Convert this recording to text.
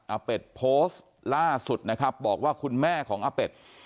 เป็ดโพสต์ล่าสุดนะครับบอกว่าคุณแม่ของอาเป็ด